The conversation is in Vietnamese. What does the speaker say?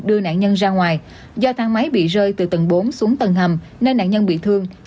đưa nạn nhân ra ngoài do thang máy bị rơi từ tầng bốn xuống tầng hầm nên nạn nhân bị thương